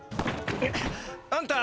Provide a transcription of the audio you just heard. あんた